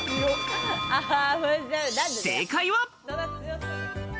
正解は。